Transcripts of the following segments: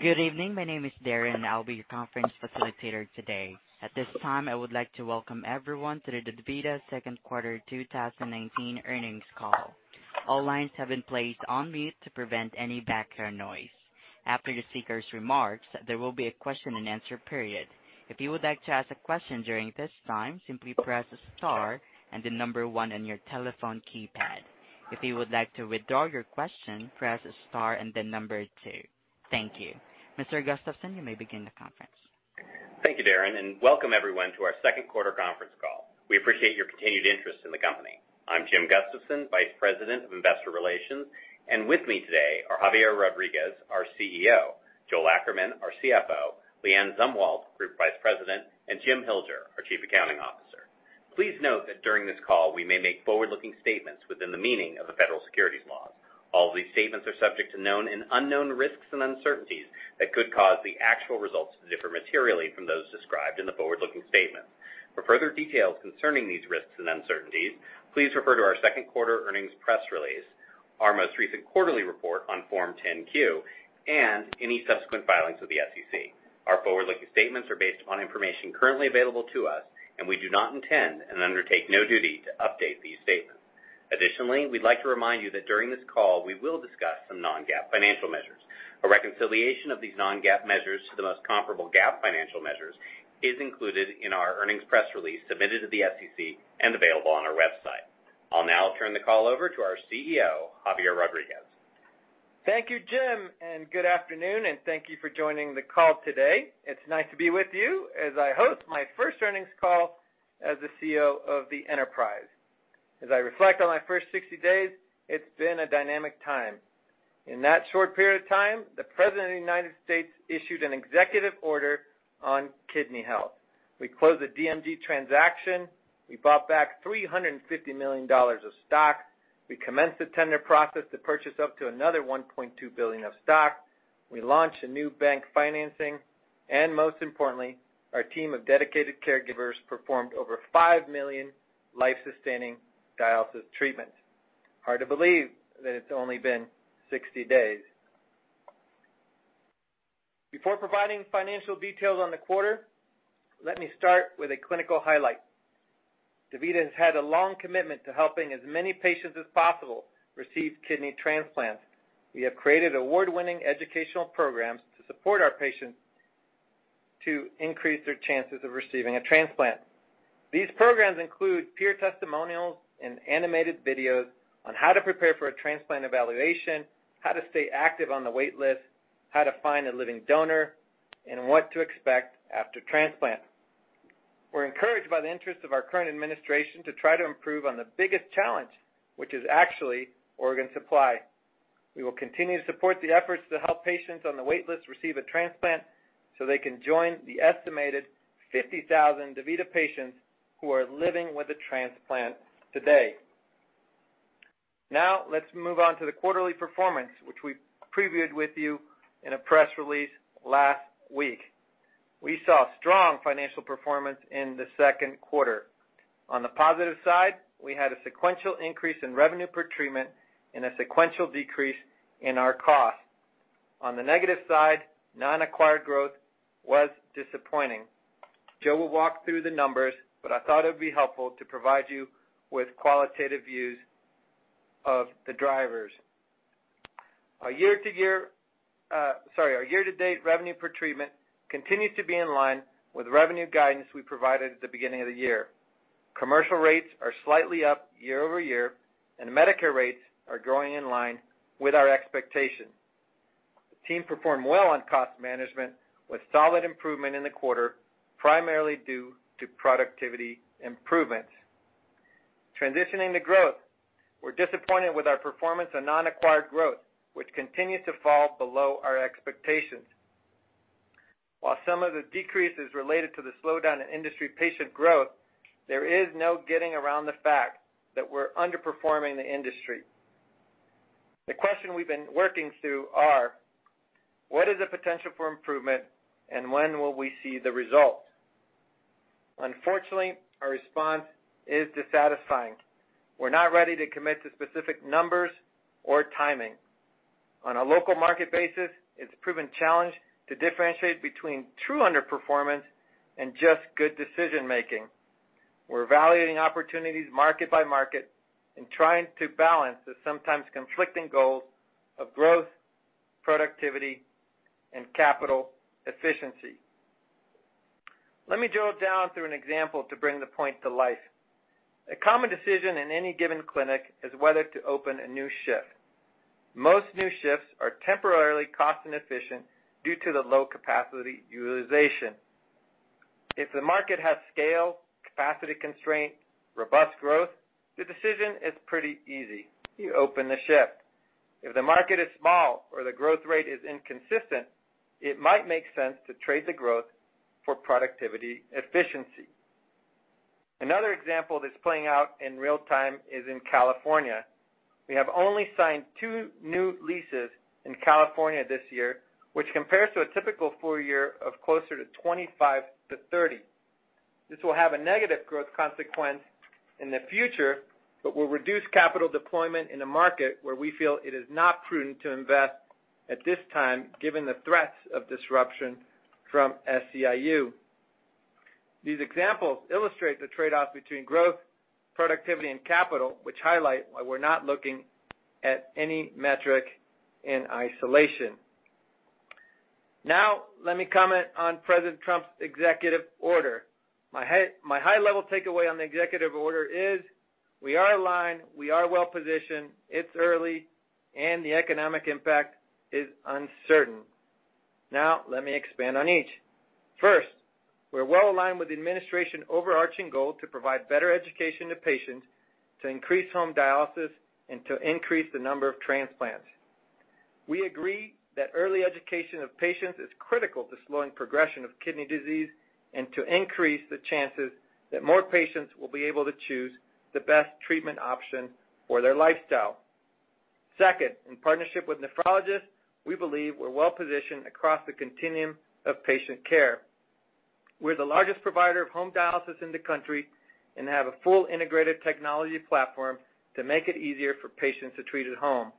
Good evening. My name is Darren and I'll be your conference facilitator today. At this time, I would like to welcome everyone to the DaVita second quarter 2019 earnings call. All lines have been placed on mute to prevent any background noise. After the speaker's remarks, there will be a question and answer period. If you would like to ask a question during this time, simply press star and the number one on your telephone keypad. If you would like to withdraw your question, press star and then number two. Thank you. Mr. Gustafson, you may begin the conference. Thank you, Darren. Welcome everyone to our second quarter conference call. We appreciate your continued interest in the company. I'm Jim Gustafson, Vice President of Investor Relations, and with me today are Javier Rodriguez, our CEO, Joel Ackerman, our CFO, LeAnne Zumwalt, Group Vice President, and Jim Hilger, our Chief Accounting Officer. Please note that during this call, we may make forward-looking statements within the meaning of the federal securities laws. All of these statements are subject to known and unknown risks and uncertainties that could cause the actual results to differ materially from those described in the forward-looking statements. For further details concerning these risks and uncertainties, please refer to our second quarter earnings press release, our most recent quarterly report on Form 10-Q, and any subsequent filings with the SEC. Our forward-looking statements are based upon information currently available to us, and we do not intend and undertake no duty to update these statements. Additionally, we'd like to remind you that during this call, we will discuss some non-GAAP financial measures. A reconciliation of these non-GAAP measures to the most comparable GAAP financial measures is included in our earnings press release submitted to the SEC and available on our website. I'll now turn the call over to our CEO, Javier Rodriguez. Thank you, Jim. Good afternoon. Thank you for joining the call today. It's nice to be with you as I host my first earnings call as the CEO of the enterprise. As I reflect on my first 60 days, it's been a dynamic time. In that short period of time, the President of the United States issued an executive order on kidney health. We closed the DMG transaction. We bought back $350 million of stock. We commenced the tender process to purchase up to another $1.2 billion of stock. We launched a new bank financing. Most importantly, our team of dedicated caregivers performed over five million life-sustaining dialysis treatments. Hard to believe that it's only been 60 days. Before providing financial details on the quarter, let me start with a clinical highlight. DaVita has had a long commitment to helping as many patients as possible receive kidney transplants. We have created award-winning educational programs to support our patients to increase their chances of receiving a transplant. These programs include peer testimonials and animated videos on how to prepare for a transplant evaluation, how to stay active on the wait list, how to find a living donor, and what to expect after transplant. We're encouraged by the interest of our current administration to try to improve on the biggest challenge, which is actually organ supply. We will continue to support the efforts to help patients on the wait list receive a transplant so they can join the estimated 50,000 DaVita patients who are living with a transplant today. Now, let's move on to the quarterly performance, which we previewed with you in a press release last week. We saw strong financial performance in the second quarter. On the positive side, we had a sequential increase in revenue per treatment and a sequential decrease in our cost. On the negative side, Non-Acquired Growth was disappointing. Joel will walk through the numbers, but I thought it would be helpful to provide you with qualitative views of the drivers. Our year-to-date revenue per treatment continues to be in line with revenue guidance we provided at the beginning of the year. Commercial rates are slightly up year-over-year, and Medicare rates are growing in line with our expectations. The team performed well on cost management with solid improvement in the quarter, primarily due to productivity improvements. Transitioning to growth, we're disappointed with our performance on Non-Acquired Growth, which continued to fall below our expectations. While some of the decrease is related to the slowdown in industry patient growth, there is no getting around the fact that we're underperforming the industry. The question we've been working through is, what is the potential for improvement, and when will we see the result? Unfortunately, our response is dissatisfying. We're not ready to commit to specific numbers or timing. On a local market basis, it's proven challenge to differentiate between true underperformance and just good decision-making. We're evaluating opportunities market by market and trying to balance the sometimes conflicting goals of growth, productivity, and capital efficiency. Let me drill down through an example to bring the point to life. A common decision in any given clinic is whether to open a new shift. Most new shifts are temporarily cost inefficient due to the low capacity utilization. If the market has scale, capacity constraint, robust growth, the decision is pretty easy. You open the shift. If the market is small or the growth rate is inconsistent, it might make sense to trade the growth for productivity efficiency. Another example that's playing out in real-time is in California. We have only signed two new leases in California this year, which compares to a typical full year of closer to 25-30. This will have a negative growth consequence in the future, but will reduce capital deployment in a market where we feel it is not prudent to invest at this time, given the threats of disruption from SEIU. These examples illustrate the trade-off between growth, productivity, and capital, which highlight why we're not looking at any metric in isolation. Now, let me comment on President Trump's executive order. My high-level takeaway on the executive order is we are aligned, we are well-positioned, it's early, and the economic impact is uncertain. Now, let me expand on each. First, we're well-aligned with the administration's overarching goal to provide better education to patients, to increase home dialysis, and to increase the number of transplants. We agree that early education of patients is critical to slowing progression of kidney disease and to increase the chances that more patients will be able to choose the best treatment option for their lifestyle. Second, in partnership with nephrologists, we believe we're well-positioned across the continuum of patient care. We're the largest provider of home dialysis in the country and have a full integrated technology platform to make it easier for patients to treat at home.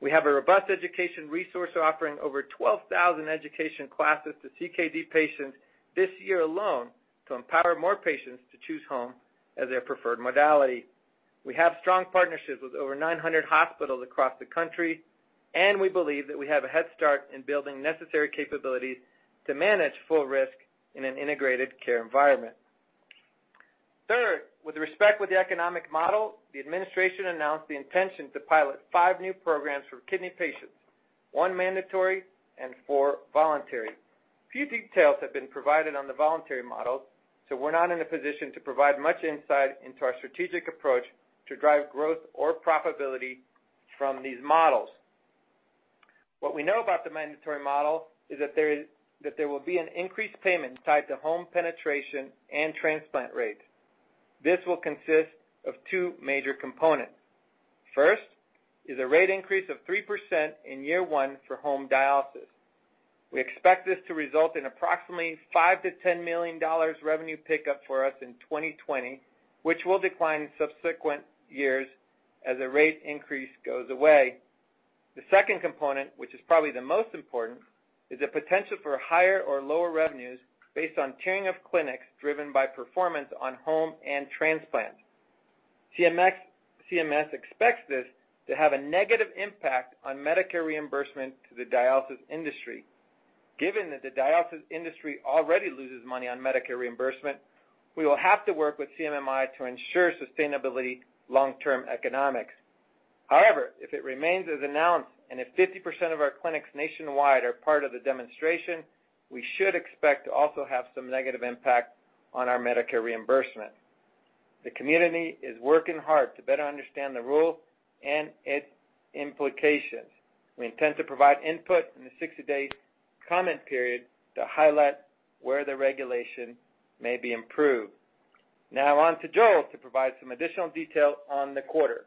We have a robust education resource offering over 12,000 education classes to CKD patients this year alone to empower more patients to choose home as their preferred modality. We have strong partnerships with over 900 hospitals across the country, and we believe that we have a head start in building necessary capabilities to manage full risk in an integrated care environment. Third, with respect to the economic model, the administration announced the intention to pilot five new programs for kidney patients, one mandatory and four voluntary. Few details have been provided on the voluntary models, so we're not in a position to provide much insight into our strategic approach to drive growth or profitability from these models. What we know about the mandatory model is that there will be an increased payment tied to home penetration and transplant rates. This will consist of two major components. First is a rate increase of 3% in year one for home dialysis. We expect this to result in approximately $5 million-$10 million revenue pickup for us in 2020, which will decline in subsequent years as the rate increase goes away. The second component, which is probably the most important, is the potential for higher or lower revenues based on tiering of clinics driven by performance on home and transplants. CMS expects this to have a negative impact on Medicare reimbursement to the dialysis industry. Given that the dialysis industry already loses money on Medicare reimbursement, we will have to work with CMMI to ensure sustainable long-term economics. If it remains as announced and if 50% of our clinics nationwide are part of the demonstration, we should expect to also have some negative impact on our Medicare reimbursement. The community is working hard to better understand the rule and its implications. We intend to provide input in the 60-day comment period to highlight where the regulation may be improved. On to Joel to provide some additional detail on the quarter.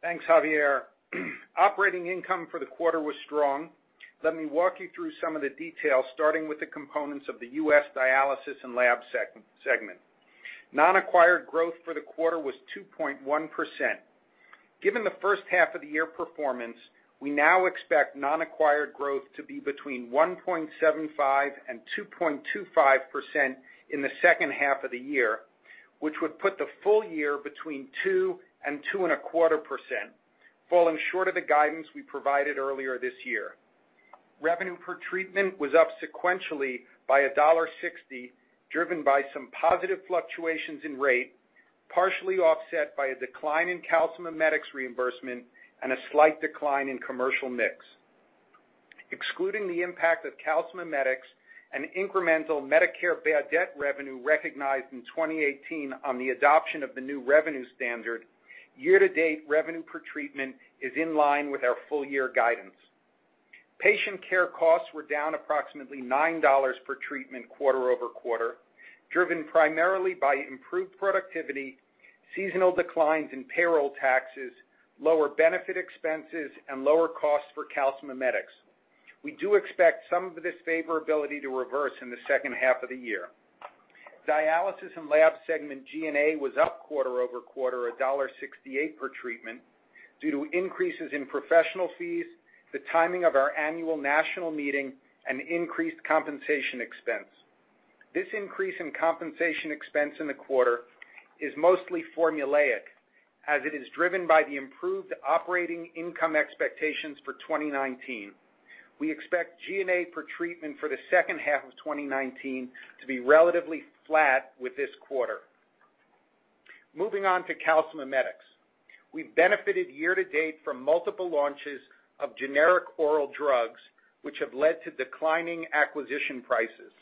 Thanks, Javier. Operating income for the quarter was strong. Let me walk you through some of the details, starting with the components of the U.S. dialysis and lab segment. Non-acquired growth for the quarter was 2.1%. Given the first half of the year performance, we now expect non-acquired growth to be between 1.75% and 2.25% in the second half of the year, which would put the full year between 2% and 2.25%, falling short of the guidance we provided earlier this year. Revenue per treatment was up sequentially by $1.60, driven by some positive fluctuations in rate, partially offset by a decline in calcimimetics reimbursement and a slight decline in commercial mix. Excluding the impact of calcimimetics and incremental Medicare bad debt revenue recognized in 2018 on the adoption of the new revenue standard, year-to-date revenue per treatment is in line with our full-year guidance. Patient care costs were down approximately $9 per treatment quarter-over-quarter, driven primarily by improved productivity, seasonal declines in payroll taxes, lower benefit expenses, and lower costs for calcimimetics. We do expect some of this favorability to reverse in the second half of the year. Dialysis and lab segment G&A was up quarter-over-quarter $1.68 per treatment due to increases in professional fees, the timing of our annual national meeting, and increased compensation expense. This increase in compensation expense in the quarter is mostly formulaic, as it is driven by the improved operating income expectations for 2019. We expect G&A per treatment for the second half of 2019 to be relatively flat with this quarter. Moving on to calcimimetics. We benefited year to date from multiple launches of generic oral drugs, which have led to declining acquisition prices.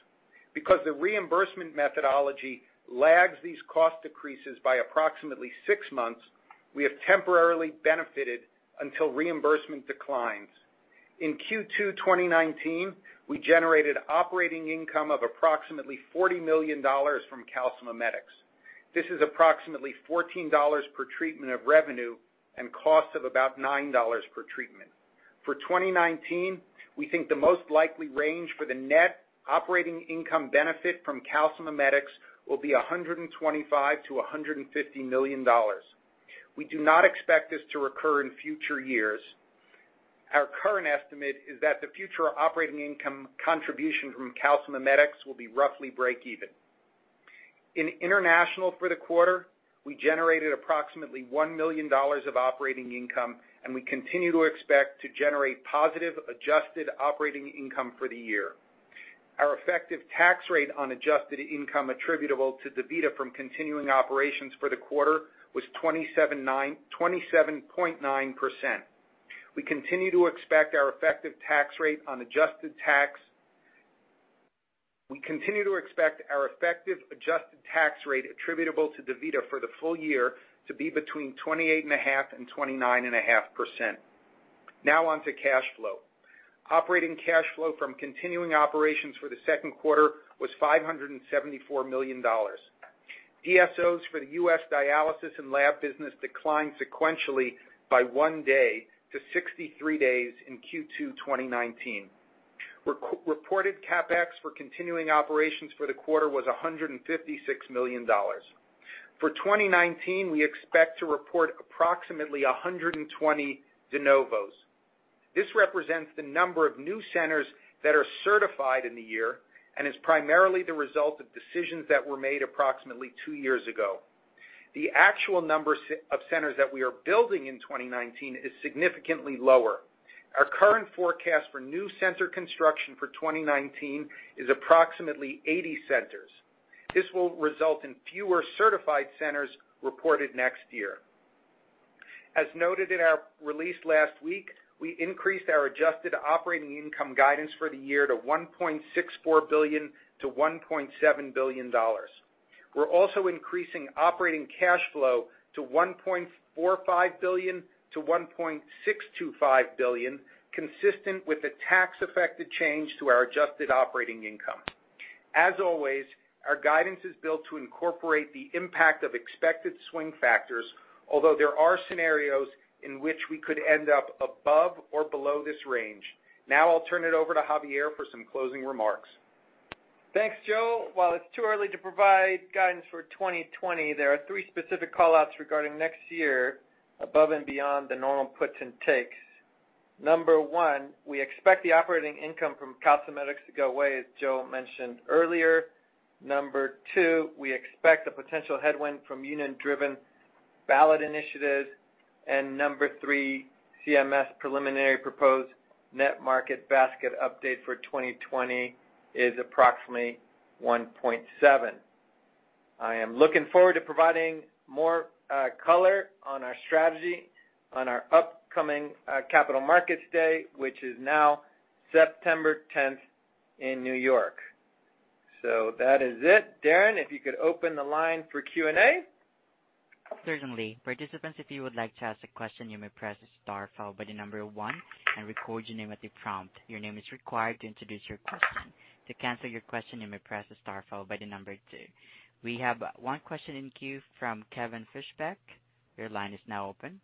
Because the reimbursement methodology lags these cost decreases by approximately six months, we have temporarily benefited until reimbursement declines. In Q2 2019, we generated operating income of approximately $40 million from calcimimetics. This is approximately $14 per treatment of revenue and cost of about $9 per treatment. For 2019, we think the most likely range for the net operating income benefit from calcimimetics will be $125 million-$150 million. We do not expect this to recur in future years. Our current estimate is that the future operating income contribution from calcimimetics will be roughly breakeven. In international for the quarter, we generated approximately $1 million of operating income, and we continue to expect to generate positive adjusted operating income for the year. Our effective tax rate on adjusted income attributable to DaVita from continuing operations for the quarter was 27.9%. We continue to expect our effective adjusted tax rate attributable to DaVita for the full year to be between 28.5% and 29.5%. On to cash flow. Operating cash flow from continuing operations for the second quarter was $574 million. DSOs for the U.S. dialysis and lab business declined sequentially by one day to 63 days in Q2 2019. Reported CapEx for continuing operations for the quarter was $156 million. For 2019, we expect to report approximately 120 de novos. This represents the number of new centers that are certified in the year and is primarily the result of decisions that were made approximately two years ago. The actual number of centers that we are building in 2019 is significantly lower. Our current forecast for new center construction for 2019 is approximately 80 centers. This will result in fewer certified centers reported next year. As noted in our release last week, we increased our adjusted operating income guidance for the year to $1.64 billion-$1.7 billion. We're also increasing operating cash flow to $1.45 billion-$1.625 billion, consistent with the tax-affected change to our adjusted operating income. As always, our guidance is built to incorporate the impact of expected swing factors, although there are scenarios in which we could end up above or below this range. Now I'll turn it over to Javier for some closing remarks. Thanks, Joel. While it's too early to provide guidance for 2020, there are three specific call-outs regarding next year above and beyond the normal puts and takes. Number one, we expect the operating income from calcimimetics to go away, as Joel mentioned earlier. Number two, we expect a potential headwind from union-driven ballot initiatives. Number three, CMS preliminary proposed net market basket update for 2020 is approximately 1.7. I am looking forward to providing more color on our strategy on our upcoming Capital Markets Day, which is now September 10th in New York. That is it. Darren, if you could open the line for Q&A. Certainly. Participants, if you would like to ask a question, you may press star followed by the number one and record your name at the prompt. Your name is required to introduce your question. To cancel your question, you may press star followed by the number two. We have one question in queue from Kevin Fischbeck. Your line is now open.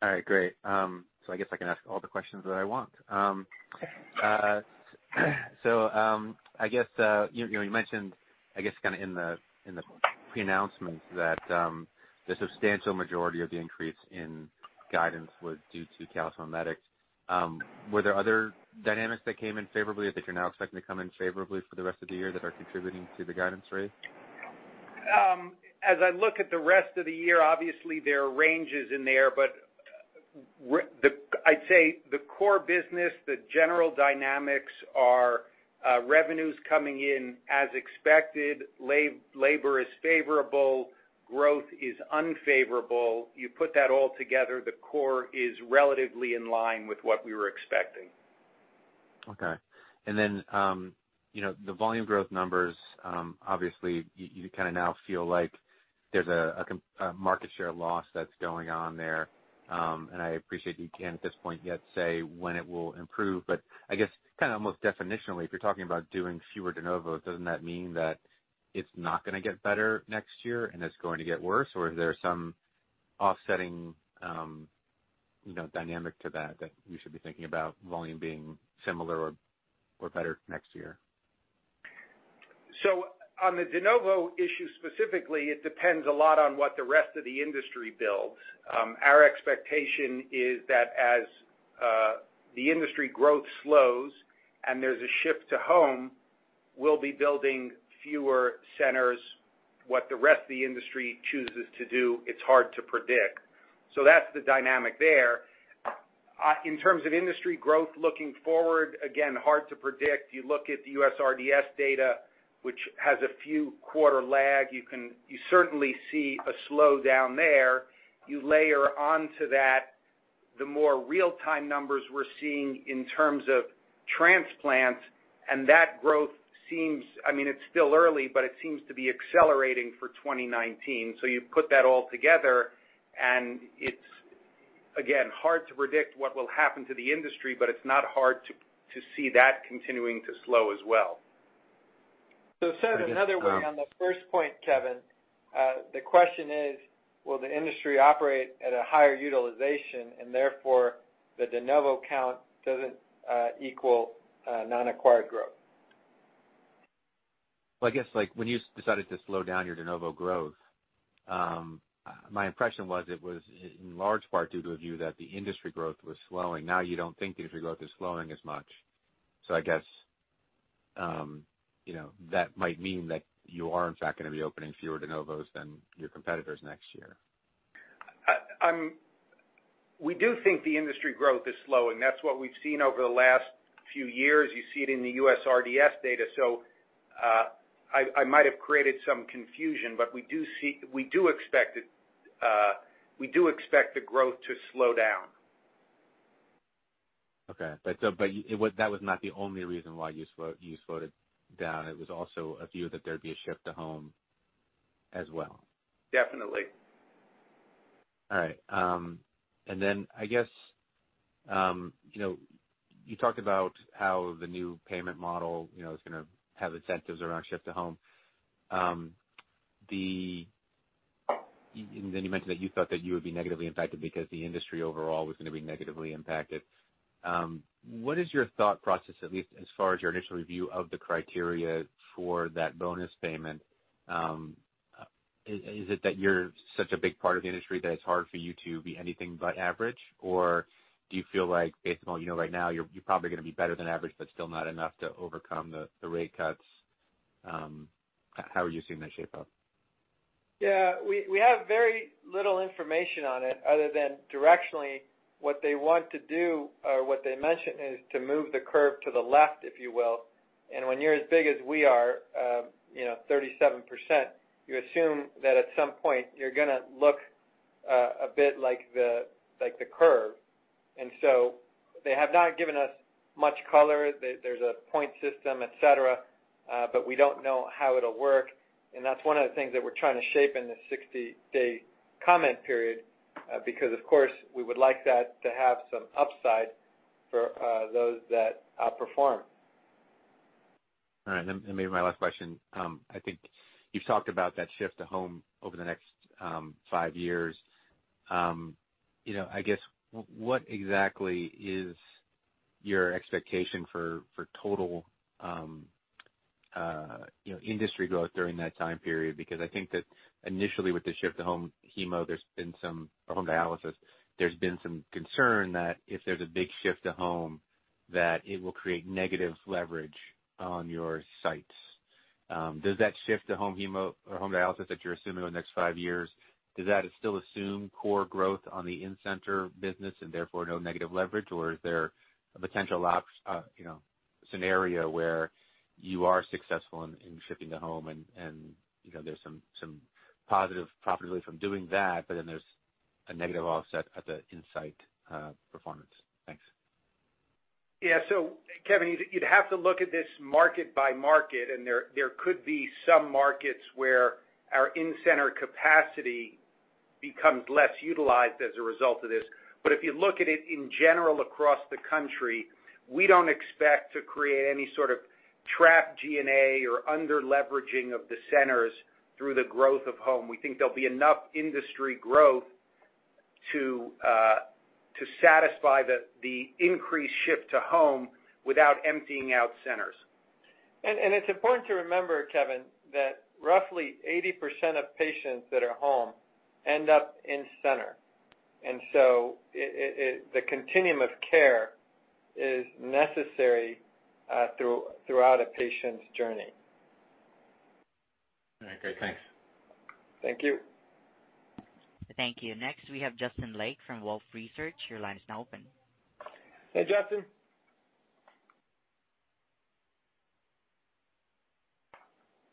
All right, great. I guess I can ask all the questions that I want. I guess, you mentioned in the pre-announcement that the substantial majority of the increase in guidance was due to calcimimetics. Were there other dynamics that came in favorably that you're now expecting to come in favorably for the rest of the year that are contributing to the guidance raise? As I look at the rest of the year, obviously there are ranges in there, but I'd say the core business, the general dynamics are revenues coming in as expected. Labor is favorable, growth is unfavorable. You put that all together, the core is relatively in line with what we were expecting. Okay. The volume growth numbers, obviously, you now feel like there's a market share loss that's going on there. I appreciate you can't, at this point yet, say when it will improve, but I guess almost definitionally, if you're talking about doing fewer de novo, doesn't that mean that it's not going to get better next year and it's going to get worse? Is there some offsetting dynamic to that we should be thinking about volume being similar or better next year? On the de novo issue specifically, it depends a lot on what the rest of the industry builds. Our expectation is that as the industry growth slows and there's a shift to home, we'll be building fewer centers. What the rest of the industry chooses to do, it's hard to predict. That's the dynamic there. In terms of industry growth looking forward, again, hard to predict. You look at the USRDS data, which has a few quarter lag. You certainly see a slowdown there. You layer onto that the more real-time numbers we're seeing in terms of transplants, and that growth, it's still early, but it seems to be accelerating for 2019. You put that all together, and it's, again, hard to predict what will happen to the industry, but it's not hard to see that continuing to slow as well. Said another way on the first point, Kevin, the question is: will the industry operate at a higher utilization and therefore the de novo count doesn't equal non-acquired growth? Well, I guess when you decided to slow down your de novo growth, my impression was it was in large part due to a view that the industry growth was slowing. Now you don't think the industry growth is slowing as much. I guess, that might mean that you are in fact going to be opening fewer de novos than your competitors next year. We do think the industry growth is slowing. That's what we've seen over the last few years. You see it in the USRDS data. I might have created some confusion, but we do expect the growth to slow down. Okay. That was not the only reason why you slowed it down. It was also a view that there'd be a shift to home as well. Definitely. All right. I guess, you talked about how the new payment model is going to have incentives around shift to home. You mentioned that you thought that you would be negatively impacted because the industry overall was going to be negatively impacted. What is your thought process, at least as far as your initial review of the criteria for that bonus payment? Is it that you're such a big part of the industry that it's hard for you to be anything but average? Do you feel like based on what you know right now, you're probably going to be better than average, but still not enough to overcome the rate cuts? How are you seeing that shape up? Yeah, we have very little information on it other than directionally what they want to do or what they mentioned is to move the curve to the left, if you will. When you're as big as we are, 37%, you assume that at some point you're going to look a bit like the curve. They have not given us much color. There's a point system, et cetera, but we don't know how it'll work. That's one of the things that we're trying to shape in the 60-day comment period, because of course, we would like that to have some upside for those that outperform. All right. Maybe my last question, I think you've talked about that shift to home over the next 5 years. I guess what exactly is your expectation for total industry growth during that time period? I think that initially with the shift to home hemo, there's been some home dialysis. There's been some concern that if there's a big shift to home, that it will create negative leverage on your sites. Does that shift to home hemo or home dialysis that you're assuming over the next 5 years, does that still assume core growth on the in-center business and therefore no negative leverage? Is there a potential scenario where you are successful in shifting to home and there's some positive profitability from doing that, but then there's a negative offset at the in-site performance? Thanks. Yeah. Kevin, you'd have to look at this market by market, and there could be some markets where our in-center capacity becomes less utilized as a result of this. If you look at it in general across the country, we don't expect to create any sort of trapped G&A or under-leveraging of the centers through the growth of home. We think there'll be enough industry growth to satisfy the increased shift to home without emptying out centers. It's important to remember, Kevin, that roughly 80% of patients that are home end up in center. The continuum of care is necessary throughout a patient's journey. All right. Great. Thanks. Thank you. Thank you. Next, we have Justin Lake from Wolfe Research. Your line is now open. Hey, Justin.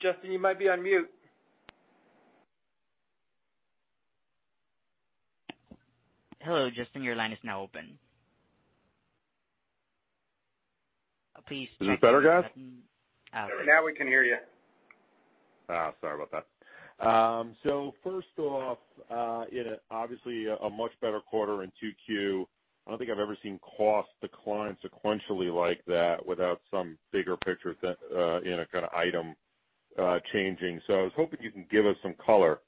Justin, you might be on mute. Hello, Justin. Your line is now open. Please check your line. Is this better, guys? Now we can hear you. Sorry about that. First off obviously a much better quarter in 2Q. I don't think I've ever seen cost decline sequentially like that without some bigger picture item changing. I was hoping you can give us some color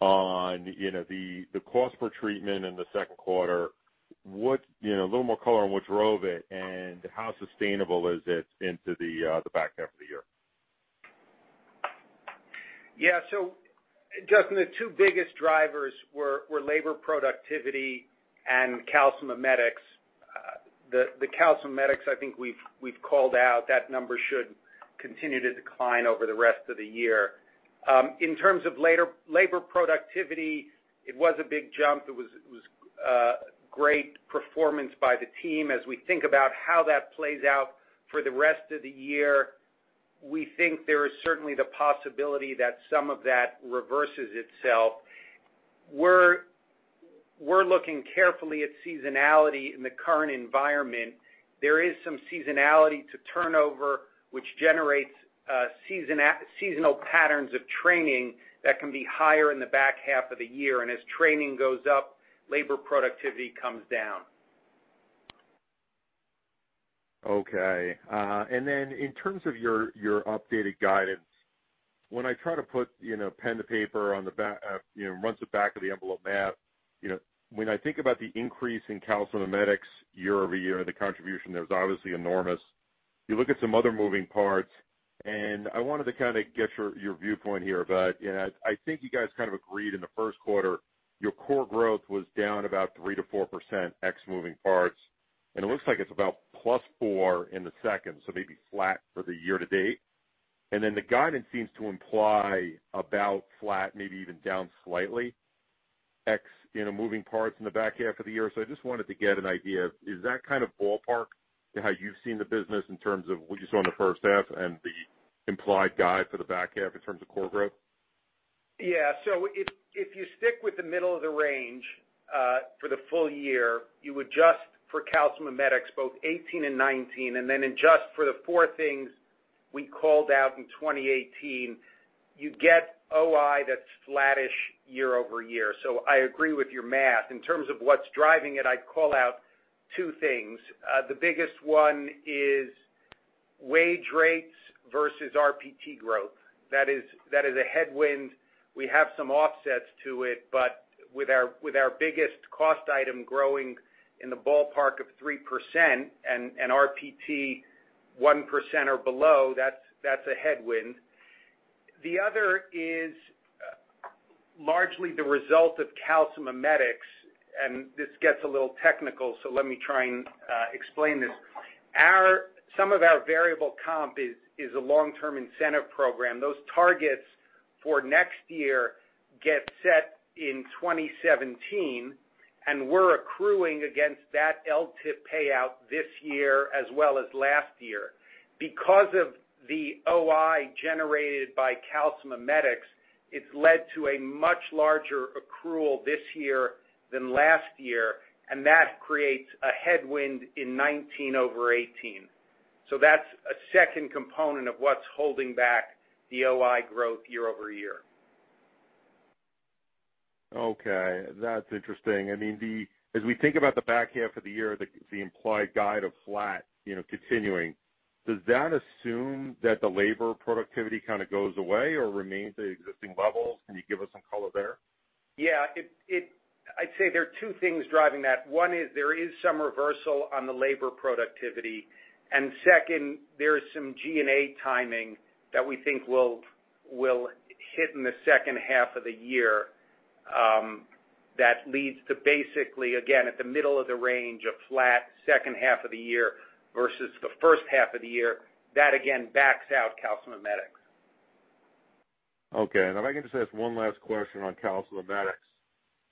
on the cost per treatment in the second quarter. A little more color on what drove it, and how sustainable is it into the back half of the year? Yeah. Justin, the two biggest drivers were labor productivity and calcimimetics. The calcimimetics, I think we've called out that number should continue to decline over the rest of the year. In terms of labor productivity, it was a big jump. It was great performance by the team. We think about how that plays out for the rest of the year, we think there is certainly the possibility that some of that reverses itself. We're looking carefully at seasonality in the current environment. There is some seasonality to turnover, which generates seasonal patterns of training that can be higher in the back half of the year. As training goes up, labor productivity comes down. Okay. Then in terms of your updated guidance, when I try to put pen to paper on the runs the back of the envelope math, when I think about the increase in calcimimetics year-over-year, the contribution there is obviously enormous. You look at some other moving parts, and I wanted to get your viewpoint here, but I think you guys agreed in the first quarter, your core growth was down about 3%-4% ex moving parts, and it looks like it's about +4 in the second, so maybe flat for the year to date. Then the guidance seems to imply about flat, maybe even down slightly ex moving parts in the back half of the year. I just wanted to get an idea. Is that kind of ballpark to how you've seen the business in terms of what you saw in the first half and the implied guide for the back half in terms of core growth? Yeah. If you stick with the middle of the range, for the full year, you adjust for calcimimetics both 2018 and 2019, and then adjust for the four things we called out in 2018, you get OI that's flattish year-over-year. I agree with your math. In terms of what's driving it, I'd call out two things. The biggest one is wage rates versus RPT growth. That is a headwind. We have some offsets to it, but with our biggest cost item growing in the ballpark of 3% and RPT 1% or below, that's a headwind. The other is largely the result of calcimimetics. This gets a little technical, let me try and explain this. Some of our variable comp is a long-term incentive program. Those targets for next year get set in 2017, and we're accruing against that LTIP payout this year as well as last year. Because of the OI generated by calcimimetics, it's led to a much larger accrual this year than last year, and that creates a headwind in 2019/2018. That's a second component of what's holding back the OI growth year-over-year. Okay. That's interesting. As we think about the back half of the year, the implied guide of flat continuing, does that assume that the labor productivity goes away or remains at existing levels? Can you give us some color there? Yeah. I'd say there are two things driving that. One is there is some reversal on the labor productivity, and second, there is some G&A timing that we think will hit in the second half of the year, that leads to basically, again, at the middle of the range of flat second half of the year versus the first half of the year. That, again, backs out calcimimetics. Okay. If I can just ask one last question on calcimimetics.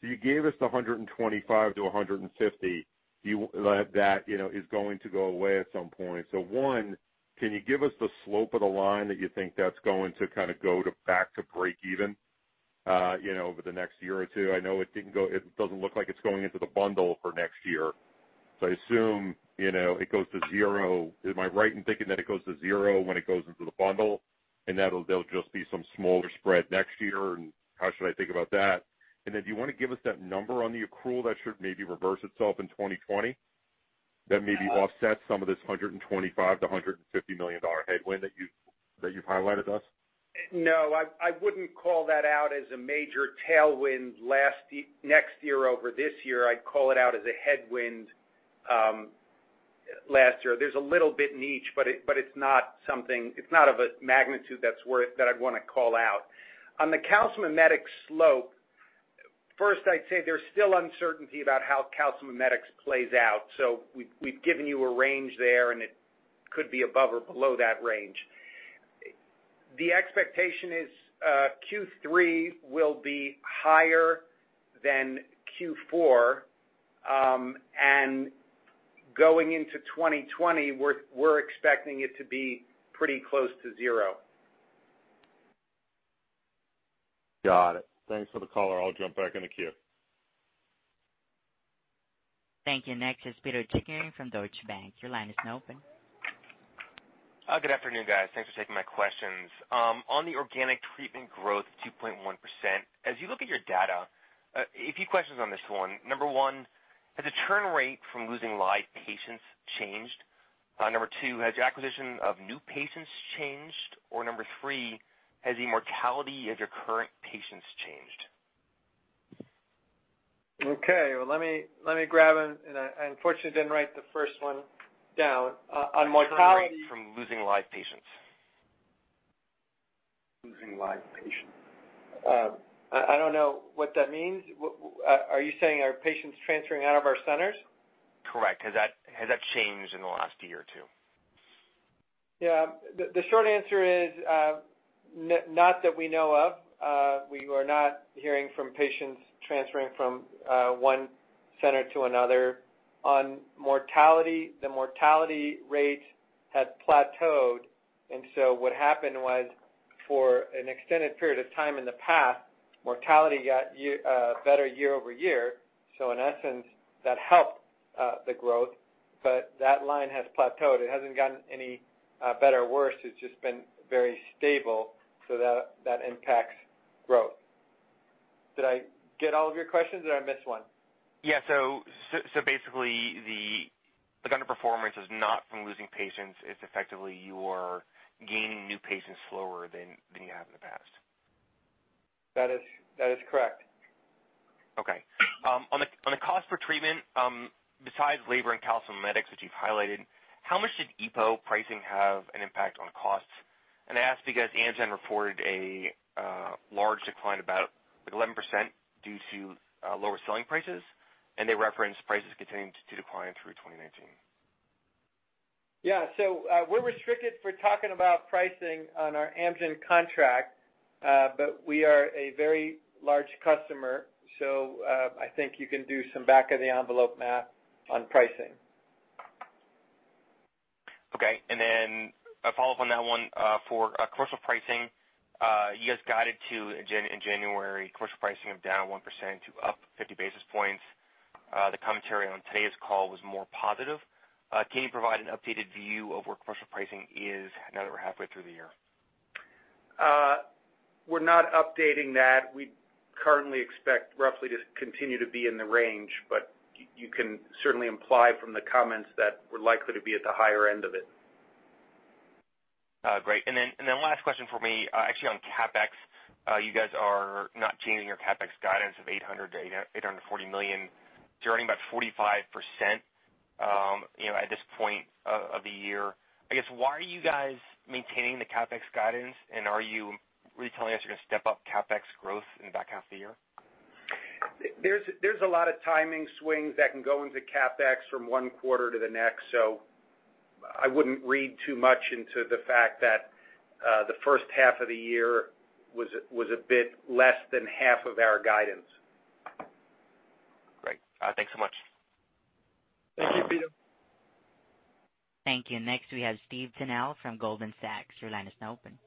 You gave us the $125-$150. That is going to go away at some point. One, can you give us the slope of the line that you think that's going to go to back to break even over the next year or two? I know it doesn't look like it's going into the bundle for next year. I assume it goes to zero. Am I right in thinking that it goes to zero when it goes into the bundle? There'll just be some smaller spread next year, and how should I think about that? Then do you want to give us that number on the accrual that should maybe reverse itself in 2020, that maybe offsets some of this $125 million-$150 million headwind that you've highlighted to us? No, I wouldn't call that out as a major tailwind next year over this year. I'd call it out as a headwind last year. There's a little bit in each, but it's not of a magnitude that I'd want to call out. On the calcimimetics slope, first, I'd say there's still uncertainty about how calcimimetics plays out. We've given you a range there, and it could be above or below that range. The expectation is Q3 will be higher than Q4, and going into 2020, we're expecting it to be pretty close to zero. Got it. Thanks for the color. I'll jump back in the queue. Thank you. Next is Pito Chickering from Deutsche Bank. Your line is now open. Good afternoon, guys. Thanks for taking my questions. On the organic treatment growth, 2.1%, as you look at your data, a few questions on this one. Number 1, has the churn rate from losing live patients changed? Number 2, has your acquisition of new patients changed? Number 3, has the mortality of your current patients changed? Okay, well, let me grab them. I unfortunately didn't write the first one down. Churn rate from losing live patients. Losing live patients. I don't know what that means. Are you saying, are patients transferring out of our centers? Correct. Has that changed in the last year or two? Yeah. The short answer is, not that we know of. We are not hearing from patients transferring from one center to another. On mortality, the mortality rate has plateaued, and so what happened was, for an extended period of time in the past, mortality got better year-over-year, so in essence, that helped the growth, but that line has plateaued. It hasn't gotten any better or worse. It's just been very stable, so that impacts growth. Did I get all of your questions? Did I miss one? Yeah. Basically, the underperformance is not from losing patients, it's effectively you're gaining new patients slower than you have in the past. That is correct. Okay. On the cost per treatment, besides labor and calcimimetics, which you've highlighted, how much did EPO pricing have an impact on costs? I ask because Amgen reported a large decline, about 11%, due to lower selling prices, and they referenced prices continuing to decline through 2019. Yeah. We're restricted for talking about pricing on our Amgen contract. We are a very large customer, so I think you can do some back of the envelope math on pricing. Okay. A follow-up on that one. For commercial pricing, you guys guided to, in January, commercial pricing of down 1% to up 50 basis points. The commentary on today's call was more positive. Can you provide an updated view of where commercial pricing is now that we're halfway through the year? We're not updating that. We currently expect roughly to continue to be in the range, but you can certainly imply from the comments that we're likely to be at the higher end of it. Great. Last question for me, actually on CapEx. You guys are not changing your CapEx guidance of $800 million-$840 million. You're earning about 45% at this point of the year. I guess, why are you guys maintaining the CapEx guidance, and are you retelling us you're going to step up CapEx growth in the back half of the year? There's a lot of timing swings that can go into CapEx from one quarter to the next, so I wouldn't read too much into the fact that the first half of the year was a bit less than half of our guidance. Great. Thanks so much. Thank you, Pito. Thank you. Next we have Stephen Tanal from Goldman Sachs. Your line is now open.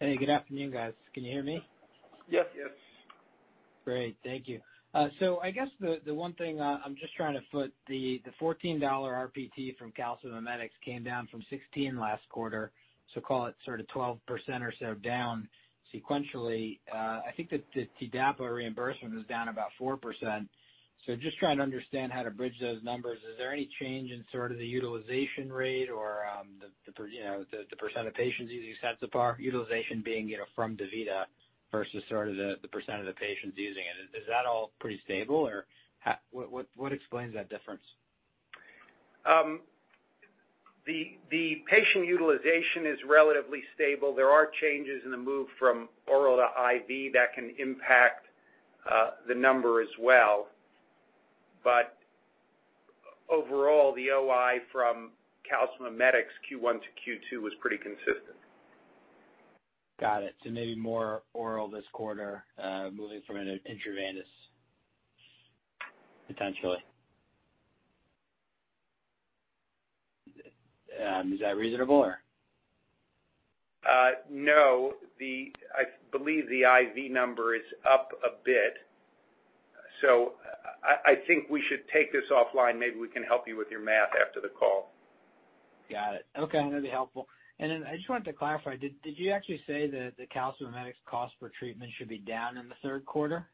Hey, good afternoon, guys. Can you hear me? Yes. Yes. Great. Thank you. I guess the one thing I'm just trying to foot the $14 RPT from calcimimetics came down from $16 last quarter, call it sort of 12% or so down sequentially. I think the TDAPA reimbursement was down about 4%. Just trying to understand how to bridge those numbers. Is there any change in sort of the utilization rate or the percent of patients using Sensipar, utilization being from DaVita versus sort of the percent of the patients using it. Is that all pretty stable, or what explains that difference? The patient utilization is relatively stable. There are changes in the move from oral to IV that can impact the number as well. Overall, the OI from calcimimetics Q1 to Q2 was pretty consistent. Got it. Maybe more oral this quarter, moving from an intravenous, potentially. Is that reasonable? No. I believe the IV number is up a bit. I think we should take this offline. Maybe we can help you with your math after the call. Got it. Okay. That'd be helpful. I just wanted to clarify, did you actually say that the calcimimetics cost per treatment should be down in the third quarter?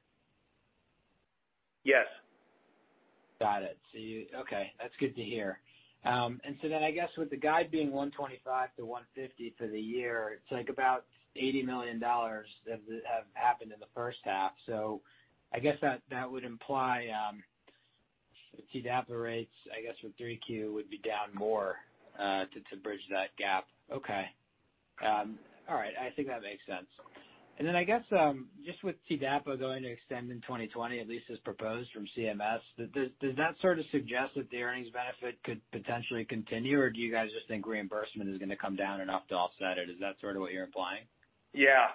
Yes. Got it. Okay, that's good to hear. I guess with the guide being $125 million to $150 million for the year, it's like about $80 million that have happened in the first half, I guess that would imply TDAPA rates, I guess for 3Q would be down more, to bridge that gap. Okay. All right. I think that makes sense. I guess, just with TDAPA going to extend in 2020, at least as proposed from CMS, does that sort of suggest that the earnings benefit could potentially continue, or do you guys just think reimbursement is going to come down enough to offset it? Is that sort of what you're implying? Yeah.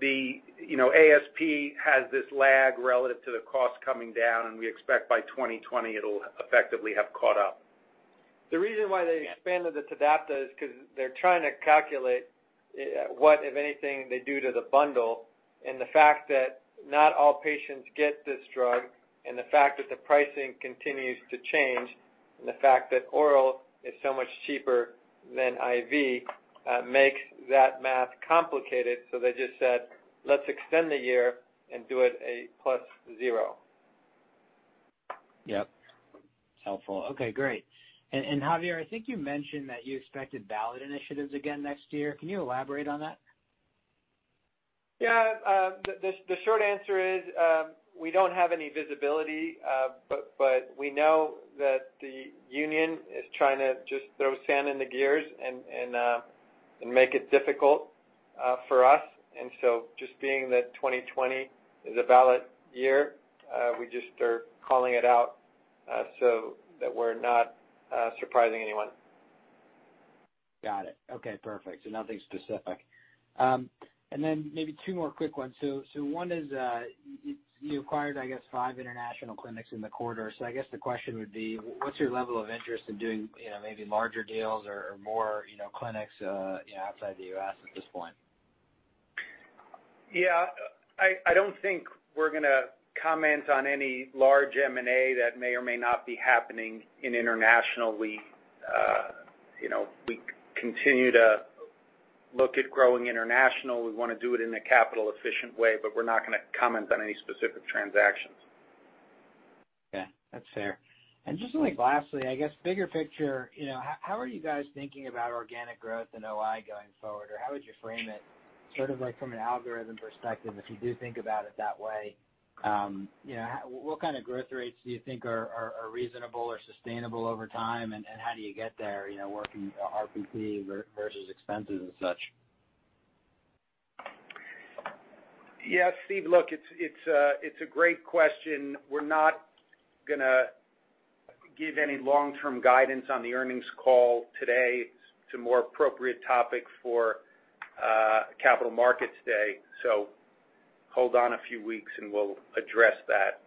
The ASP has this lag relative to the cost coming down, and we expect by 2020 it'll effectively have caught up. The reason why they expanded the TDAPA is because they're trying to calculate what, if anything, they do to the bundle. The fact that not all patients get this drug, and the fact that the pricing continues to change, and the fact that oral is so much cheaper than IV, makes that math complicated. They just said, "Let's extend the year and do it a plus zero. Yep. It's helpful. Okay, great. Javier, I think you mentioned that you expected ballot initiatives again next year. Can you elaborate on that? Yeah. The short answer is, we don't have any visibility, but we know that the union is trying to just throw sand in the gears and make it difficult for us. Just being that 2020 is a ballot year, we just are calling it out, so that we're not surprising anyone. Got it. Okay, perfect. Nothing specific. Then maybe two more quick ones. One is, you acquired, I guess, five international clinics in the quarter. I guess the question would be, what's your level of interest in doing maybe larger deals or more clinics outside the U.S. at this point? Yeah. I don't think we're going to comment on any large M&A that may or may not be happening internationally. We continue to look at growing international. We want to do it in a capital efficient way, but we're not going to comment on any specific transactions. Okay. That's fair. Just only lastly, I guess, bigger picture, how are you guys thinking about organic growth in OI going forward? How would you frame it sort of like from an algorithm perspective, if you do think about it that way? What kind of growth rates do you think are reasonable or sustainable over time, and how do you get there, working RPC versus expenses and such? Yeah. Steve, look, it's a great question. We're not going to give any long-term guidance on the earnings call today. It's a more appropriate topic for Capital Markets Day. Hold on a few weeks and we'll address that.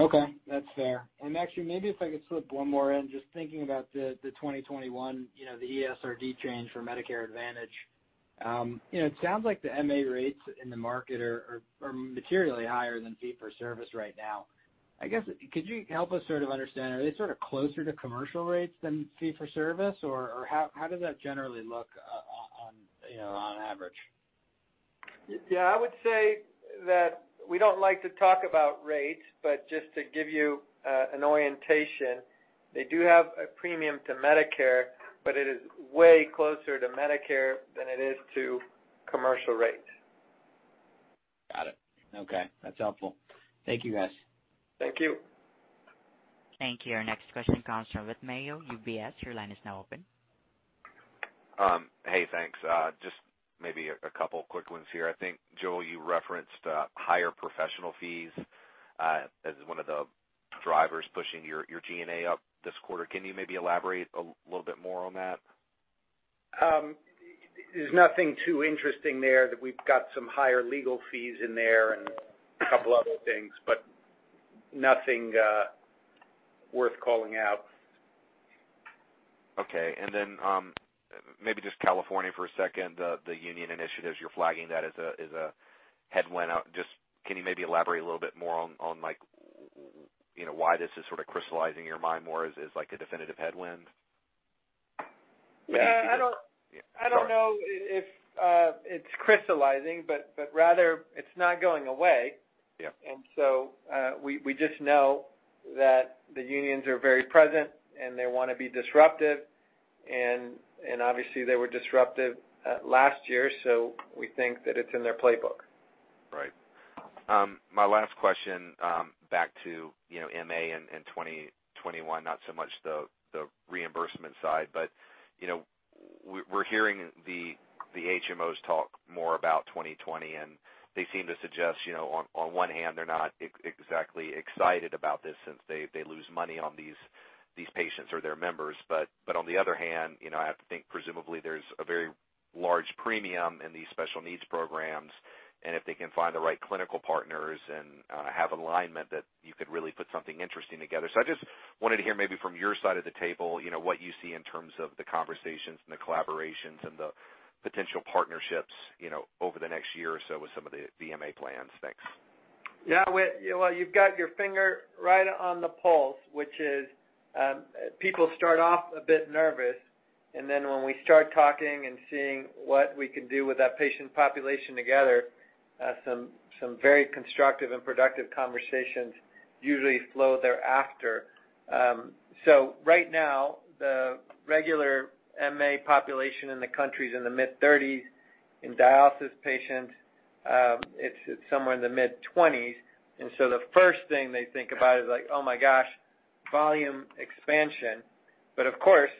Okay. That's fair. Actually, maybe if I could slip one more in, just thinking about the 2021 ESRD change for Medicare Advantage. It sounds like the MA rates in the market are materially higher than fee-for-service right now. I guess, could you help us sort of understand, are they sort of closer to commercial rates than fee-for-service, or how does that generally look on average? I would say that we don't like to talk about rates, but just to give you an orientation, they do have a premium to Medicare, but it is way closer to Medicare than it is to commercial rates. Got it. Okay. That's helpful. Thank you, guys. Thank you. Thank you. Our next question comes from Whit Mayo, UBS. Your line is now open. Hey, thanks. Just maybe a couple quick ones here. I think, Joel, you referenced higher professional fees as one of the drivers pushing your G&A up this quarter. Can you maybe elaborate a little bit more on that? There's nothing too interesting there, that we've got some higher legal fees in there and a couple other things, but nothing worth calling out. Okay. Maybe just California for a second, the union initiatives, you're flagging that as a headwind. Can you maybe elaborate a little bit more on why this is sort of crystallizing your mind more as like a definitive headwind? Yeah. Yeah. Sorry. I don't know if it's crystallizing, but rather it's not going away. Yeah. We just know that the unions are very present and they want to be disruptive, and obviously they were disruptive last year, so we think that it's in their playbook. Right. My last question, back to MA in 2021, not so much the reimbursement side. We're hearing the HMOs talk more about 2020, and they seem to suggest, on one hand, they're not exactly excited about this since they lose money on these patients or their members. On the other hand, I have to think presumably there's a very large premium in these Special Needs programs, and if they can find the right clinical partners and have alignment that you could really put something interesting together. I just wanted to hear maybe from your side of the table, what you see in terms of the conversations and the collaborations and the potential partnerships over the next year or so with some of the MA plans. Thanks. Whit, well, you've got your finger right on the pulse, which is people start off a bit nervous, then when we start talking and seeing what we can do with that patient population together, some very constructive and productive conversations usually flow thereafter. Right now, the regular MA population in the country's in the mid-30s. In dialysis patients, it's somewhere in the mid-20s. The first thing they think about is like, "Oh my gosh, volume expansion." Of course,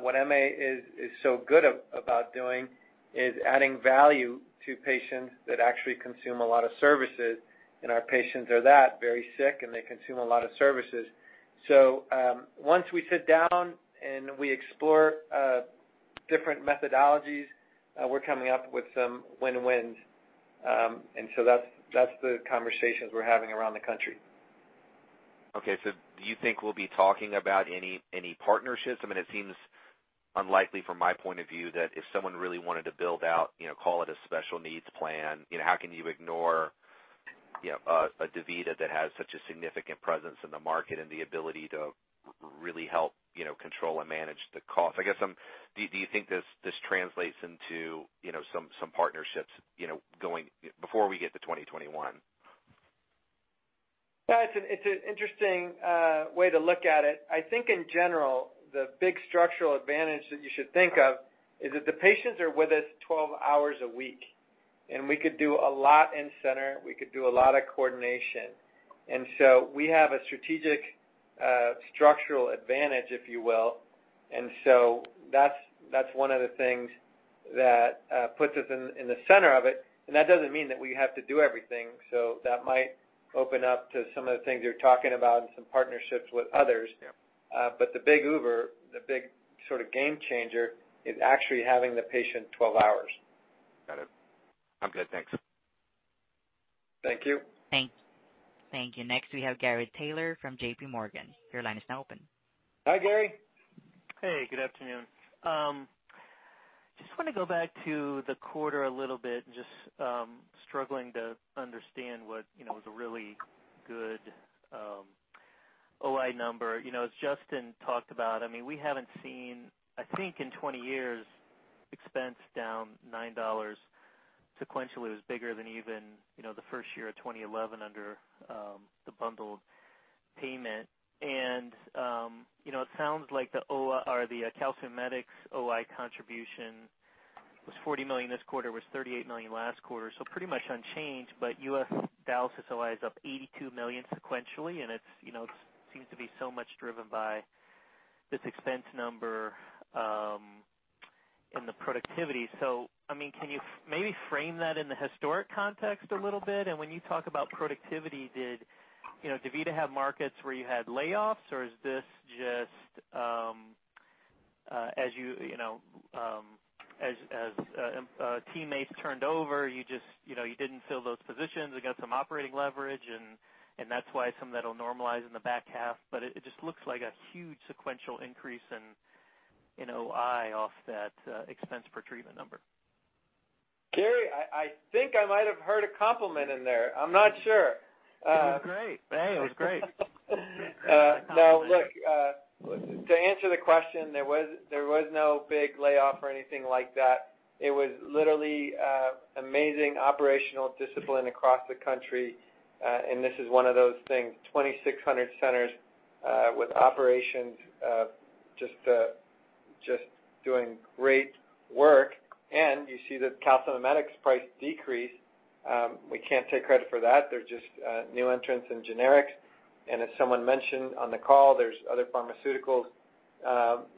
what MA is so good about doing is adding value to patients that actually consume a lot of services, and our patients are that, very sick, and they consume a lot of services. Once we sit down and we explore different methodologies, we're coming up with some win-wins. That's the conversations we're having around the country. Okay. Do you think we'll be talking about any partnerships? I mean, it seems unlikely from my point of view that if someone really wanted to build out, call it a Special Needs Plan, how can you ignore a DaVita that has such a significant presence in the market and the ability to really help control and manage the cost? I guess, do you think this translates into some partnerships before we get to 2021? It's an interesting way to look at it. I think in general, the big structural advantage that you should think of is that the patients are with us 12 hours a week, and we could do a lot in center. We could do a lot of coordination. We have a strategic structural advantage, if you will. That's one of the things that puts us in the center of it. That doesn't mean that we have to do everything. That might open up to some of the things you're talking about and some partnerships with others. Yeah. The big Uber, the big sort of game changer, is actually having the patient 12 hours. Got it. I'm good, thanks. Thank you. Thank you. Next, we have Gary Taylor from J.P. Morgan. Your line is now open. Hi, Gary. Hey, good afternoon. just want to go back to the quarter a little bit and just struggling to understand what was a really good OI number. As Justin talked about, we haven't seen, I think in 20 years, expense down $9 sequentially was bigger than even the first year of 2011 under the bundled payment. It sounds like the calcimimetics OI contribution was $40 million this quarter, was $38 million last quarter, so pretty much unchanged, but U.S. dialysis OI is up $82 million sequentially, and it seems to be so much driven by this expense number, and the productivity. Can you maybe frame that in the historic context a little bit? When you talk about productivity, did DaVita have markets where you had layoffs, or is this just as teammates turned over, you didn't fill those positions, you got some operating leverage, and that's why some of that'll normalize in the back half. It just looks like a huge sequential increase in OI off that expense per treatment number. Gary, I think I might have heard a compliment in there. I'm not sure. It was great. Hey, it was great. Now, look, to answer the question, there was no big layoff or anything like that. It was literally amazing operational discipline across the country. This is one of those things, 2,600 centers, with operations just doing great work and you see the calcimimetics price decrease. We can't take credit for that. They're just new entrants in generics. As someone mentioned on the call, there's other pharmaceuticals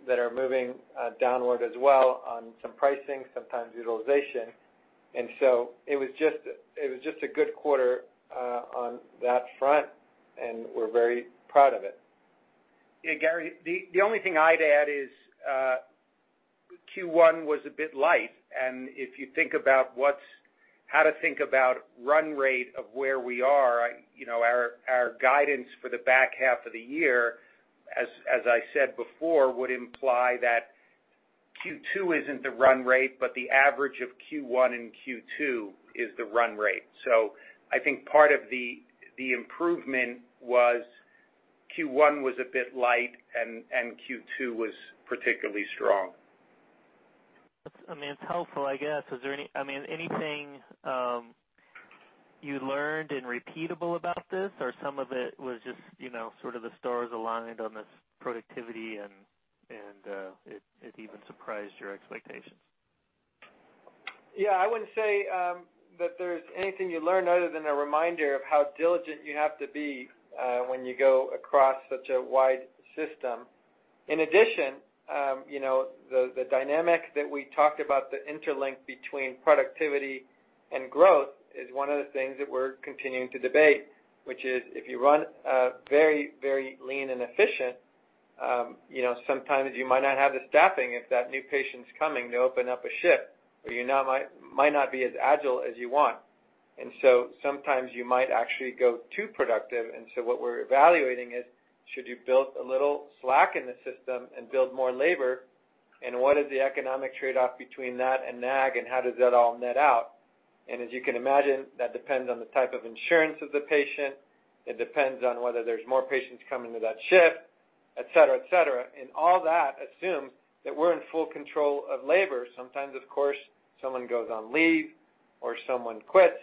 that are moving downward as well on some pricing, sometimes utilization. So it was just a good quarter on that front, and we're very proud of it. Yeah, Gary, the only thing I'd add is Q1 was a bit light. If you think about how to think about run rate of where we are, our guidance for the back half of the year, as I said before, would imply that Q2 isn't the run rate, but the average of Q1 and Q2 is the run rate. I think part of the improvement was Q1 was a bit light and Q2 was particularly strong. It's helpful, I guess. Is there anything you learned and repeatable about this, or some of it was just sort of the stars aligned on this productivity and it even surprised your expectations? Yeah, I wouldn't say that there's anything you learn other than a reminder of how diligent you have to be when you go across such a wide system. In addition, the dynamic that we talked about, the interlink between productivity and growth is one of the things that we're continuing to debate, which is if you run very lean and efficient, sometimes you might not have the staffing if that new patient's coming to open up a shift or you might not be as agile as you want. Sometimes you might actually go too productive, and so what we're evaluating is should you build a little slack in the system and build more labor, and what is the economic trade-off between that and NAG, and how does that all net out? As you can imagine, that depends on the type of insurance of the patient. It depends on whether there's more patients coming to that shift, et cetera. All that assumes that we're in full control of labor. Sometimes, of course, someone goes on leave or someone quits,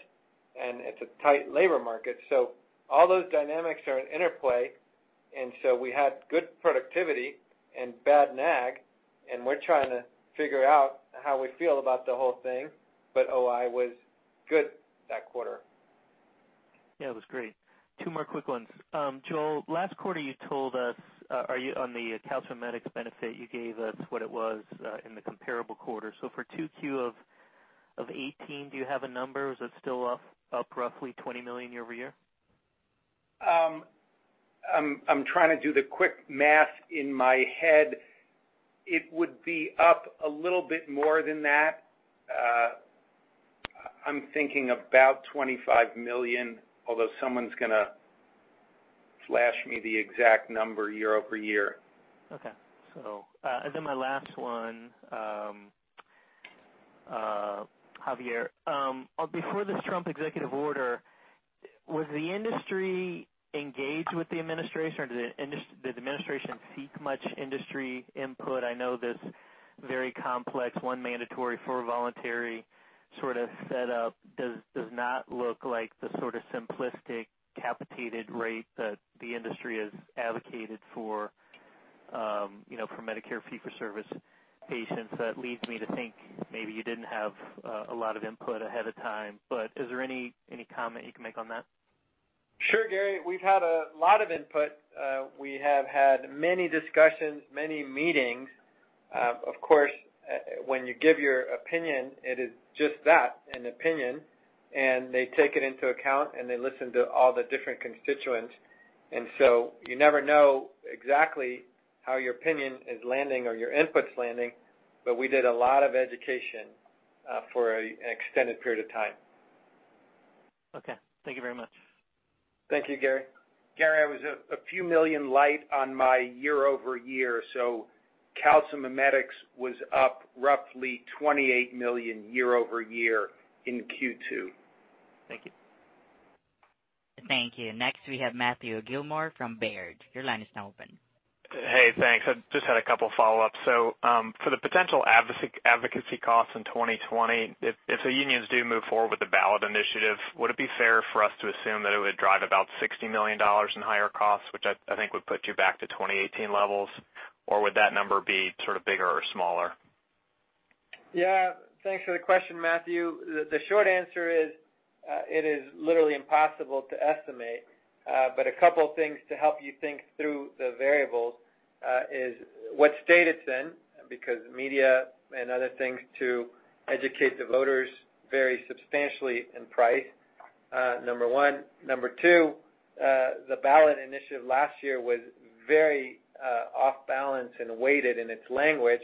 and it's a tight labor market. All those dynamics are in interplay, and so we had good productivity and bad NAG, and we're trying to figure out how we feel about the whole thing, but OI was good that quarter. Yeah, it was great. Two more quick ones. Joel, last quarter you told us on the calcimimetics benefit, you gave us what it was in the comparable quarter. For 2Q of 2018, do you have a number? Is it still up roughly $20 million year-over-year? I'm trying to do the quick math in my head. It would be up a little bit more than that. I'm thinking about $25 million, although someone's going to flash me the exact number year-over-year. Okay. My last one, Javier, before this Trump executive order, was the industry engaged with the administration, or did the administration seek much industry input? I know this very complex one mandatory for voluntary sort of set up does not look like the sort of simplistic capitated rate that the industry has advocated for Medicare fee-for-service patients. That leads me to think maybe you didn't have a lot of input ahead of time, but is there any comment you can make on that? Sure, Gary. We've had a lot of input. We have had many discussions, many meetings. Of course, when you give your opinion, it is just that, an opinion. They take it into account. They listen to all the different constituents. You never know exactly how your opinion is landing or your input's landing. We did a lot of education for an extended period of time. Okay. Thank you very much. Thank you, Gary. Gary, I was a few million light on my year-over-year, so calcimimetics was up roughly $28 million year-over-year in Q2. Thank you. Thank you. Next, we have Matthew Gilmore from Baird. Your line is now open. Hey, thanks. I just had a couple of follow-ups. For the potential advocacy costs in 2020, if the unions do move forward with the ballot initiative, would it be fair for us to assume that it would drive about $60 million in higher costs, which I think would put you back to 2018 levels? Would that number be sort of bigger or smaller? Yeah. Thanks for the question, Matthew. The short answer is, it is literally impossible to estimate. A couple things to help you think through the variables is what state it's in, because media and other things to educate the voters vary substantially in price, number one. Number two, the ballot initiative last year was very off balance and weighted in its language,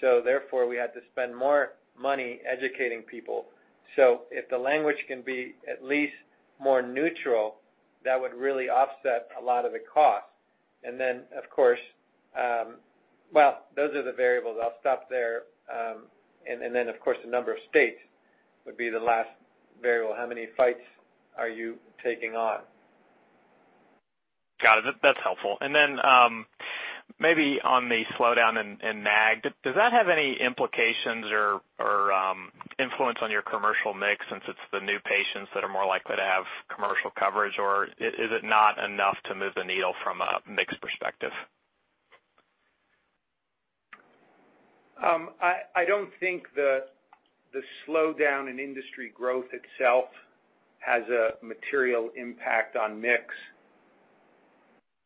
therefore, we had to spend more money educating people. If the language can be at least more neutral, that would really offset a lot of the cost. Well, those are the variables. I'll stop there. Then, of course, the number of states would be the last variable. How many fights are you taking on? Got it. That's helpful. Maybe on the slowdown in NAG, does that have any implications or influence on your commercial mix since it is the new patients that are more likely to have commercial coverage, or is it not enough to move the needle from a mix perspective? I don't think the slowdown in industry growth itself has a material impact on mix.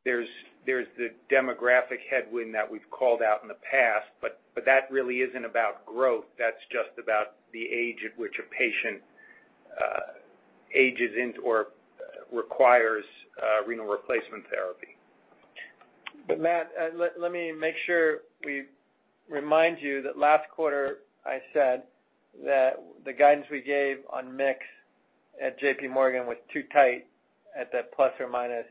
There's the demographic headwind that we've called out in the past, but that really isn't about growth. That's just about the age at which a patient ages into or requires renal replacement therapy. Matt, let me make sure we remind you that last quarter I said that the guidance we gave on mix at J.P. Morgan was too tight at that plus or minus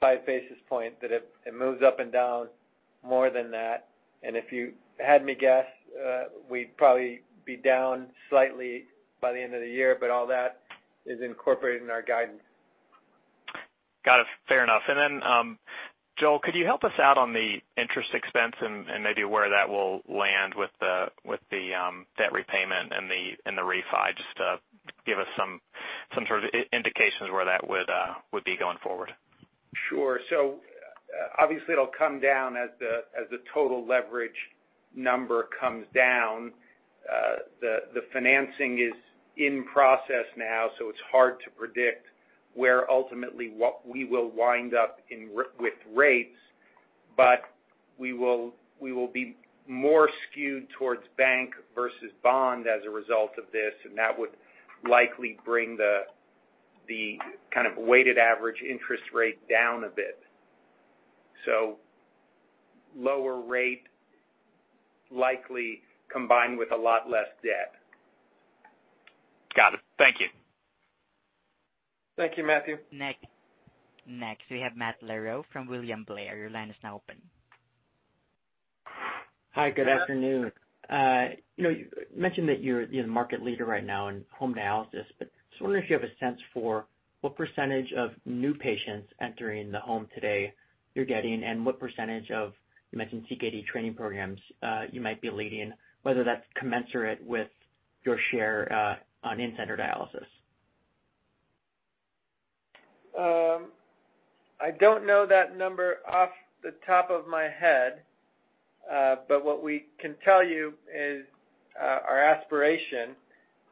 five basis point, that it moves up and down more than that. If you had me guess, we'd probably be down slightly by the end of the year, but all that is incorporated in our guidance. Got it. Fair enough. Joel, could you help us out on the interest expense and maybe where that will land with the debt repayment and the refi, just to give us some sort of indications where that would be going forward? Sure. Obviously, it'll come down as the total leverage number comes down. The financing is in process now, it's hard to predict where ultimately what we will wind up with rates. We will be more skewed towards bank versus bond as a result of this, and that would likely bring the kind of weighted average interest rate down a bit. Lower rate likely combined with a lot less debt. Got it. Thank you. Thank you, Matthew. Next, we have Matt Larew from William Blair. Your line is now open. Hi, good afternoon. Just wondering if you have a sense for what % of new patients entering the home today you're getting, and what % of, you mentioned CKD training programs you might be leading, whether that's commensurate with your share on in-center dialysis. I don't know that number off the top of my head. What we can tell you is our aspiration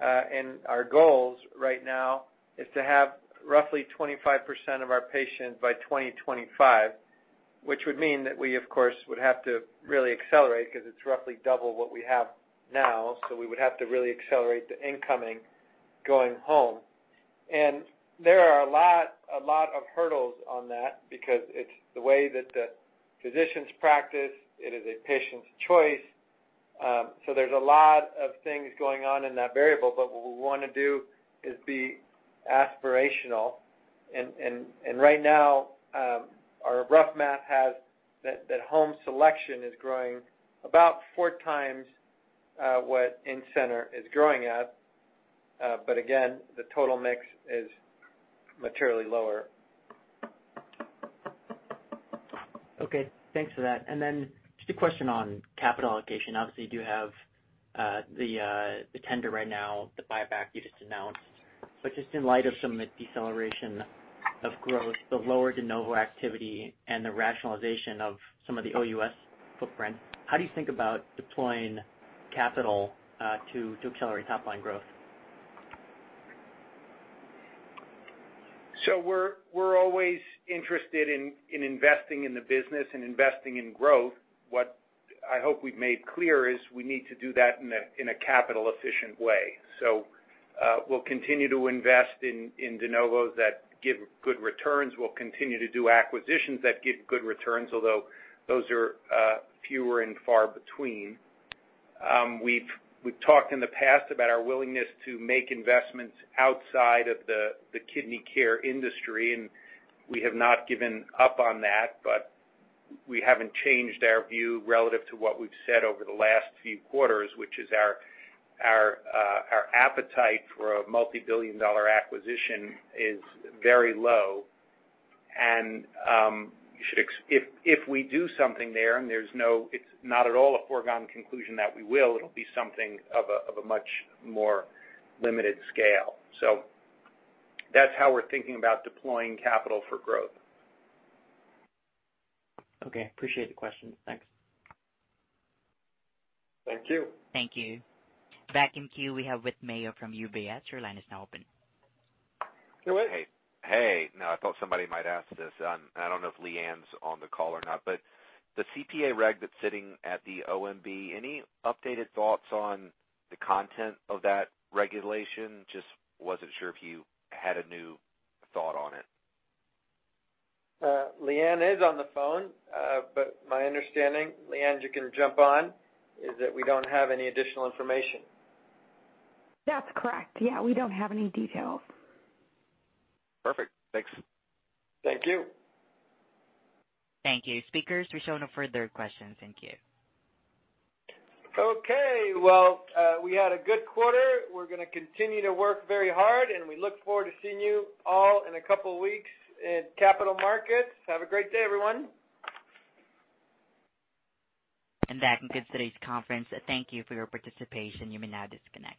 and our goals right now is to have roughly 25% of our patients by 2025, which would mean that we, of course, would have to really accelerate because it's roughly double what we have now, we would have to really accelerate the incoming going home. There are a lot of hurdles on that because it's the way that the physicians practice. It is a patient's choice. There's a lot of things going on in that variable, what we want to do is be aspirational. Right now, our rough math has that home selection is growing about four times what in-center is growing at. Again, the total mix is materially lower. Okay, thanks for that. Just a question on capital allocation. Obviously, you do have the tender right now, the buyback you just announced. Just in light of some deceleration of growth, the lower de novo activity and the rationalization of some of the OUS footprint, how do you think about deploying capital to accelerate top-line growth? We're always interested in investing in the business and investing in growth. What I hope we've made clear is we need to do that in a capital-efficient way. We'll continue to invest in de novos that give good returns. We'll continue to do acquisitions that give good returns, although those are fewer and far between. We've talked in the past about our willingness to make investments outside of the kidney care industry, and we have not given up on that, but we haven't changed our view relative to what we've said over the last few quarters, which is our appetite for a multi-billion dollar acquisition is very low. If we do something there, and it's not at all a foregone conclusion that we will, it'll be something of a much more limited scale. That's how we're thinking about deploying capital for growth. Okay. Appreciate the question. Thanks. Thank you. Thank you. Back in queue, we have Whit Mayo from UBS. Your line is now open. Hey, Whit. Hey. I thought somebody might ask this. I don't know if LeAnne's on the call or not, but the CPA reg that's sitting at the OMB, any updated thoughts on the content of that regulation? I just wasn't sure if you had a new thought on it. LeAnne is on the phone. My understanding, LeAnne, you can jump on, is that we don't have any additional information. That's correct. Yeah, we don't have any details. Perfect. Thanks. Thank you. Thank you. Speakers, we show no further questions. Thank you. Okay. Well, we had a good quarter. We're going to continue to work very hard, and we look forward to seeing you all in a couple of weeks at Capital Markets. Have a great day, everyone. That concludes today's conference. Thank you for your participation. You may now disconnect.